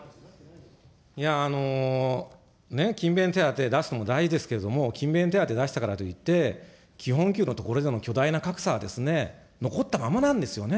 勤勉手当出すのも大事ですけれども、勤勉手当出したからといって、基本給のところでの巨大な格差は残ったままなんですよね。